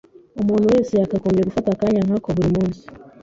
umuntu wese yakagombye gufata akanya nk’ako buri munsi.